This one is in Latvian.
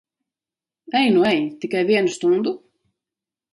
Ej nu ej! Tikai vienu stundu?